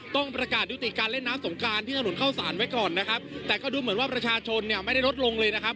ต้องประกาศยุติการเล่นน้ำสงการที่ถนนเข้าสารไว้ก่อนนะครับแต่ก็ดูเหมือนว่าประชาชนเนี่ยไม่ได้ลดลงเลยนะครับ